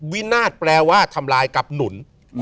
วินาศแปลว่าทำลายกับหนุน